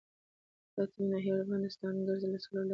د اتمې ناحیې اړوند د ستانکزي له څلورلارې